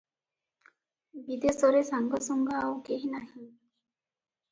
ବିଦେଶରେ ସାଙ୍ଗସୁଙ୍ଗା ଆଉ, କେହି ନାହିଁ ।